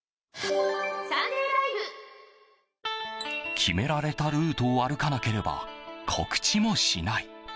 決められたルートを歩かなければ、告知もしない。